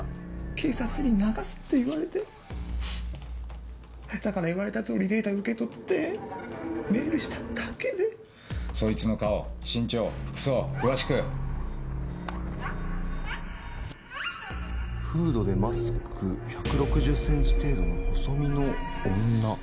警察に流す」ってだから言われた通りデータ受け取ってメールしただけでそいつの顔身長服装詳しくフードでマスク１６０ｃｍ程度の細身の女。